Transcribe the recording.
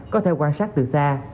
có thể quan sát từ xa